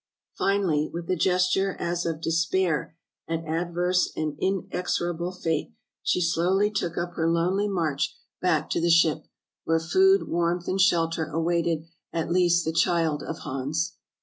Finally, with a gesture as of despair at adverse and inexorable fate, she slowly took up her lonely march The Wifely Heroism of Mertuk 385 back to the ship — where food, warmth, and shelter awaited at least the child of Hans.